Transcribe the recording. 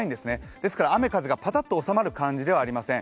ですから雨風がぱたっと収まる感じではありません。